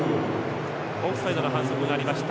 オフサイドの反則がありました